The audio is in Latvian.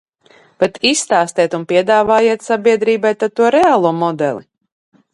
Bet izstāstiet un piedāvājiet sabiedrībai tad to reālo modeli!